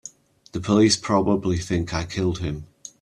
The police probably think I killed him.